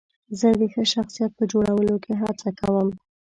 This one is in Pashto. زه د ښه شخصیت په جوړولو کې هڅه کوم.